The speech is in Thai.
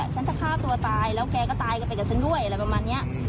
ฉันจะฆ่าตัวตายแล้วแกก็ตายกันไปกับฉันด้วยอะไรประมาณนี้